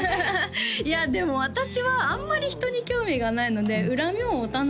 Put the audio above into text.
いやでも私はあんまり人に興味がないので怨みも持たないです